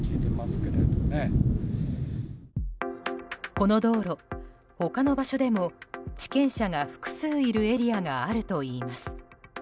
この道路、他の場所でも地権者が複数いるエリアがあるといいます。